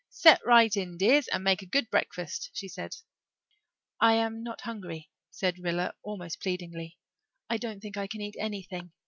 "Set right in, dears, and make a good breakfast," she said. "I am not hungry," said Rilla almost pleadingly. "I don't think I can eat anything.